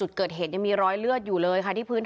ออกจากอำเภอเมือง